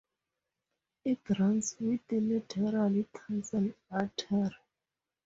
It runs with the lateral tarsal artery.